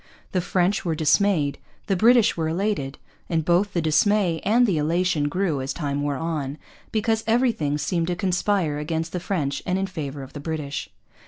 The French were dismayed, the British were elated; and both the dismay and the elation grew as time wore on, because everything seemed to conspire against the French and in favour of the British.